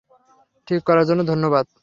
ঠিক করার জন্য ধন্যবাদ।